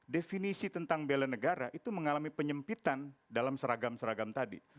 definisi tentang bela negara itu mengalami penyempitan dalam seragam seragam tadi